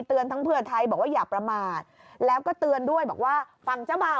ทั้งเพื่อไทยบอกว่าอย่าประมาทแล้วก็เตือนด้วยบอกว่าฝั่งเจ้าบ่าว